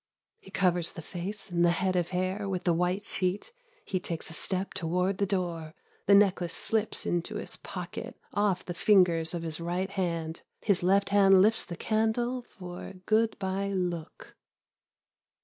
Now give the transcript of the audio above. He covers the face and the head of hair with the white sheet. He takes a step toward the door. The necklace slips into his pocket off the fingers of his right hand. His left hand lifts the candle for a good by look.